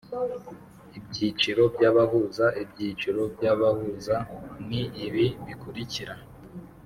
Ibyiciro by’abahuza Ibyiciro by'abahuza ni ibi bikurikira: